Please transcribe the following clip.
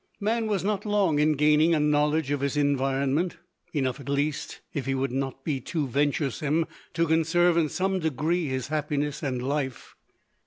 Man was not long in gaining a knowledge of his environment, enough at least, if he would not be too venturesome, to conserve in some degree his happiness and life.